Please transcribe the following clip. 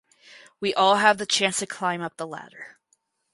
We all have the chance to climb up the ladder.